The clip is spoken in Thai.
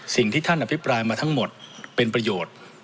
สิ่งที่ท่านอภิปรายมาทั้งหมดเป็นประโยชน์